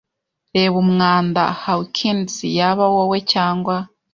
reba umwanda. Hawkins, yaba wowe cyangwa